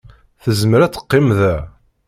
Tezmer ad teqqim da.